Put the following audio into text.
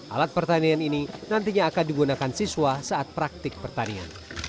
alat pertanian ini nantinya akan digunakan siswa saat praktik pertanian